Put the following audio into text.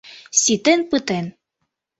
— Ситен пытен.